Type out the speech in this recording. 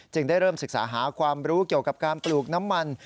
ได้เริ่มศึกษาหาความรู้เกี่ยวกับการปลูกน้ำมัน